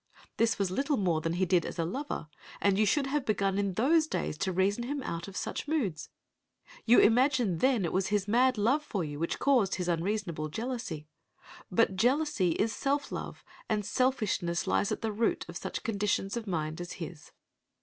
This was little more than he did as a lover, and you should have begun in those days to reason him out of such moods. You imagined then it was his mad love for you which caused his unreasonable jealousy. But jealousy is self love, and selfishness lies at the root of such conditions of mind as his.